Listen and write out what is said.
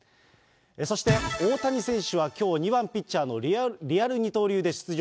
そして大谷選手はきょう、２番ピッチャーのリアル二刀流で出場。